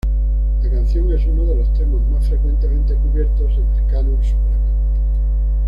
La canción es uno de los temas más frecuentemente cubiertos en el canon Supremes.